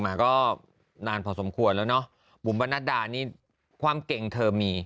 มาก็นานพอสมควรแล้วเนอะบุ๋มประนัดดานี่ความเก่งเธอมี